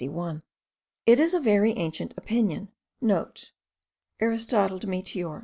It is a very ancient opinion,* (* Aristotle de Meteor.